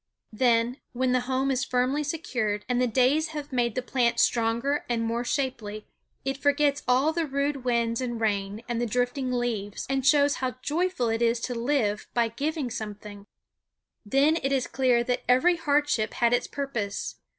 Then when the home is firmly secured and the days have made the plant stronger and more shapely, it forgets all the rude winds and rain and the drifting leaves, and shows how joyful it is to live by giving something. Then it is clear that every hardship had its purpose.